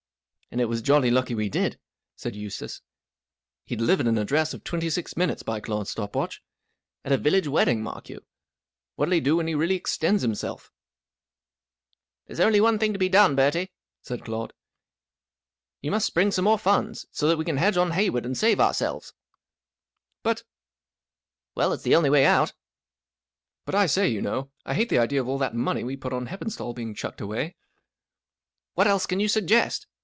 "And it was jolly lucky we did," said Eustace. "He; delivered an address of twenty six, minutes.by Claude's stop watch. At a village wedding, mark you ! What'll He do when he really extends himself !"" TJiere's* only one thing to be done, Bertie," said Claude. " You must spring some more funds, so that we can hedge on Wayward and save ourselves." " But " s " Well, it's the only way out." . 44 But I say, you know, I hate the idea of all that money we put on Hepperistall being chucked away." ~" What else can you suggest